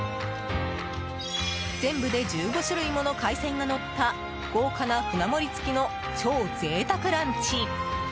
全部で１５種類もの海鮮がのった豪華な舟盛り付きの超贅沢ランチ。